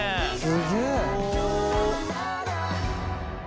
すげえ。